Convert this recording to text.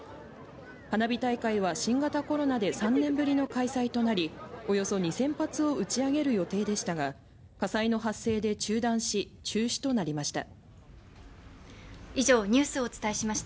花火大会は新型コロナで３年ぶりの開催となりおよそ２０００発を打ち上げる予定でしたが火災の発生で中断し中止となりました。